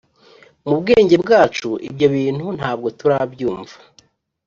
mu bwenge bwacu ibyo bintu ntabwo turabyumva